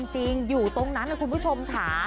จริงอยู่ตรงนั้นนะคุณผู้ชมค่ะ